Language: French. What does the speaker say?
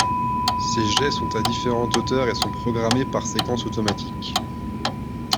Ces jets sont à différentes hauteur et sont programmés par séquence automatique.